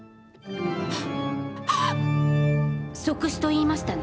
即死と言いましたね？